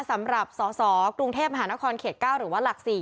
สำหรับสสกรุงเทพมหานครเขต๙หรือว่าหลัก๔